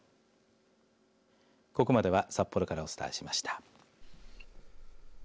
ここまでは札幌からお伝えしました。